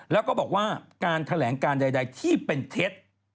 แล้วก็บอกว่าการแถลงการใดที่เป็นเท็จ